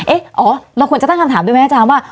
อ๋อเราควรจะตั้งคำถามด้วยไหมอาจารย์ว่า